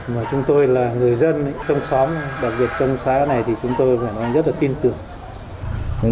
mà chúng tôi là người dân trong xóm đặc biệt trong xã này thì chúng tôi rất là tin tưởng